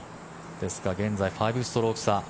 ですから、現在５ストローク差。